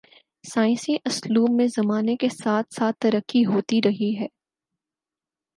سائنسی اسلوب میں زمانے کے ساتھ ساتھ ترقی ہوتی رہی ہے۔